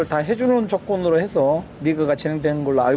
kita harus mengundang mereka secara berdasarkan keadaan mereka